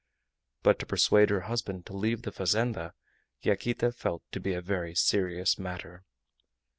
But to persuade her husband to leave the fazenda Yaquita felt to be a very serious matter.